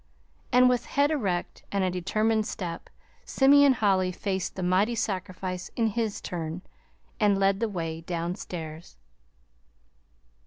And with head erect and a determined step, Simeon Holly faced the mighty sacrifice in his turn, and led the way downstairs.